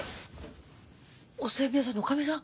お煎餅屋さんのおかみさん？